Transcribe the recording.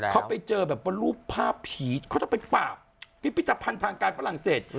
เขาไปเจอแบบว่ารูปภาพผีเขาจะไปปราบพิพิธภัณฑ์ทางการฝรั่งเศส